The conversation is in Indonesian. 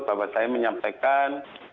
bahwa saya menyampaikan